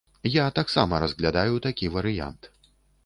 Я таксама разглядаю такі варыянт.